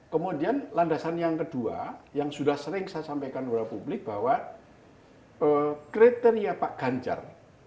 kemudian landasan yang kedua yang sudah sering saya sampaikan kepada publik bahwa kriteria pak ganjar